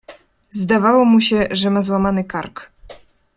"Zdawało mu się, że ma złamany kark."